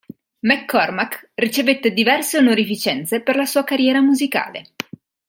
McCormack ricevette diverse onorificenza per la sua carriera musicale.